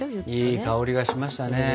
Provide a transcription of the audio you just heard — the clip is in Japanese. いい香りがしましたね。